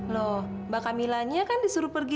loh mbak camilannya kan disuruh pergi